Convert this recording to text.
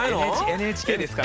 ＮＨＫですから。